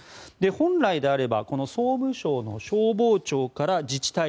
本来であればこの総務省の消防庁から自治体